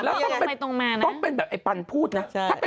แล้วต้องเป็นแบบไอ้ปันพูดนะ